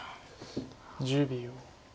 １０秒。